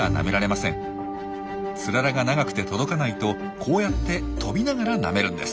ツララが長くて届かないとこうやって飛びながらなめるんです。